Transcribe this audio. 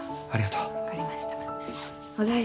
ありがとう。